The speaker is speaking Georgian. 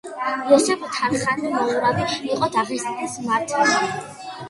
იოსებ თარხან-მოურავი იყო დაღესტნის მმართველი.